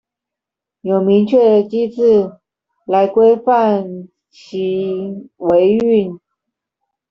有明確的機制來規範其維運